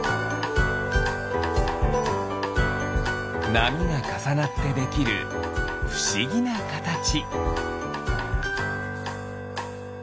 なみがかさなってできるふしぎなかたち。